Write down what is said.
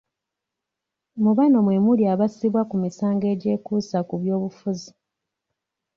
Mu bano mwe muli abasibwa ku misango egyekuusa ku byobufuzi